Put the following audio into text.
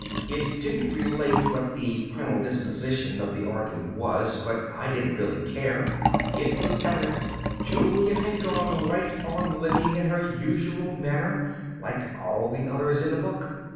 _ It didn't relate what the final disposition of the organ was, but I didn't really care. It was evident Julia had gone right on living in her usual manner, like all the others in the book.